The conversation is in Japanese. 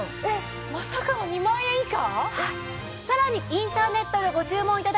まさかの２万円以下？